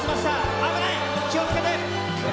危ない、気をつけて。